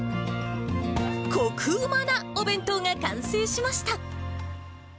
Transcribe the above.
こくうまなお弁当が完成しました。